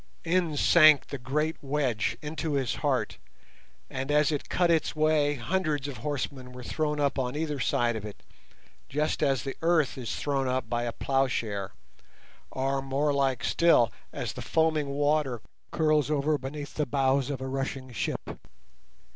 In sank the great wedge, into his heart, and as it cut its way hundreds of horsemen were thrown up on either side of it, just as the earth is thrown up by a ploughshare, or more like still, as the foaming water curls over beneath the bows of a rushing ship.